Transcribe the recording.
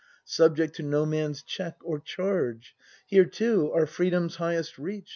Subject to no man's check or charge; Here too our Freedom's highest reach.